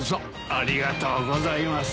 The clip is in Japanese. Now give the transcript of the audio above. ありがとうございます。